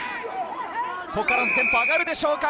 ここからのテンポ上がるでしょうか。